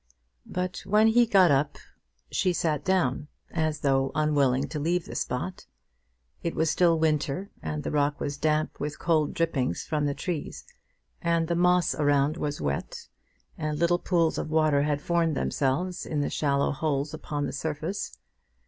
But when he got up she sat down, as though unwilling to leave the spot. It was still winter, and the rock was damp with cold drippings from the trees, and the moss around was wet, and little pools of water had formed themselves in the shallow holes upon the surface.